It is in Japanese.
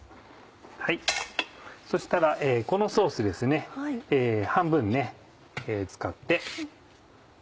そしたらこのソース半分使って。